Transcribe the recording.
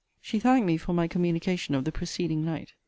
She thanked me for my communication of the preceding night.